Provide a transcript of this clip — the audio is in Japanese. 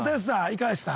いかがでした？